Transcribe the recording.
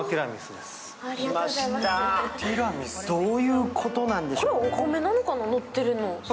どういうことなんでしょう。